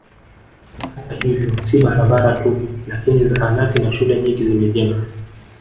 Hata hivyo si barabara tu lakini zahanati na shule nyingi zimejengwa